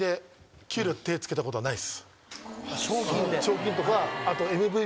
給料手つけたことはないっす。